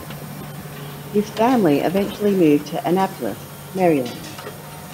His family eventually moved to Annapolis, Maryland.